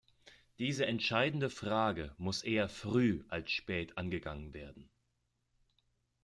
Diese entscheidende Frage muss eher früh als spät angegangen werden.